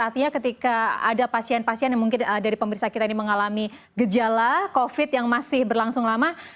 artinya ketika ada pasien pasien yang mungkin dari pemirsa kita ini mengalami gejala covid yang masih berlangsung lama